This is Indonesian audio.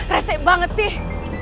resik banget sih